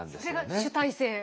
それが主体性。